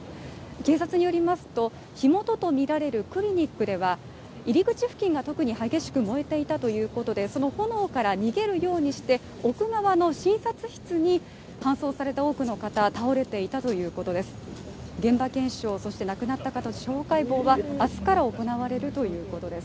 警察によりますと、火元とみられるクリニックでは、入り口付近が特に激しく燃えていたということでその炎から逃げるようにして奥側の診察室に搬送された多くの方が倒れていたということです。